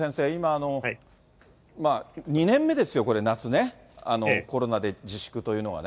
これただ、勝田先生、今、２年目ですよ、これね、夏ね、コロナで自粛というのはね。